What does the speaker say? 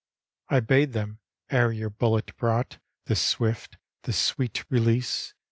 " I bade them, ere your bullet brought This swift, this sweet release.